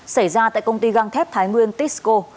xảy ra tại công ty găng thép thái nguyên tisco